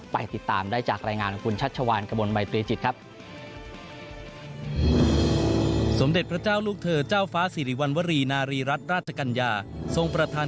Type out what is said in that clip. ไปติดตามได้จากรายงานของคุณชัชชวาน